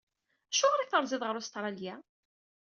Acuɣer i terziḍ ɣer Ustṛalya?